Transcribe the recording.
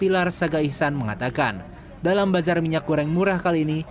laihsan mengatakan dalam bazar minyak goreng murah kali ini